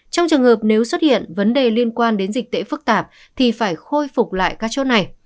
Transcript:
trong trường hợp nếu xuất hiện vấn đề liên quan đến dịch tễ phức tạp thì phải khôi phục lại các chốt này